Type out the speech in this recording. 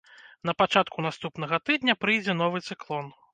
На пачатку наступнага тыдня прыйдзе новы цыклон.